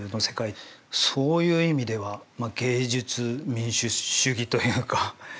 そういう意味では芸術民主主義というか。